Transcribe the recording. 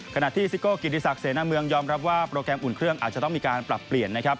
ซิโก้กิติศักดิเสนาเมืองยอมรับว่าโปรแกรมอุ่นเครื่องอาจจะต้องมีการปรับเปลี่ยนนะครับ